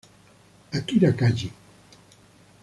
Akira Kaji